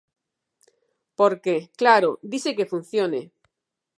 Porque, claro, dise que funcione.